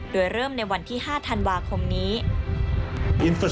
โดยเริ่มในวันที่๕ธันวาคมนี้